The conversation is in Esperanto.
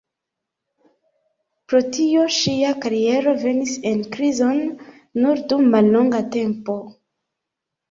Pro tio ŝia kariero venis en krizon nur dum mallonga tempo.